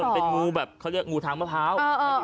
เป็นงูแบบเขาเรียกงูทางมะพร้าว